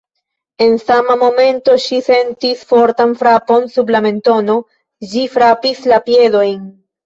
En sama momento ŝi sentis fortan frapon sub la mentono. Ĝi frapis la piedojn!